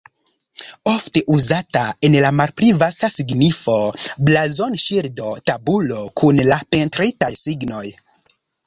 Ofte uzata en la malpli vasta signifo blazon-ŝildo, tabulo kun la pentritaj signoj.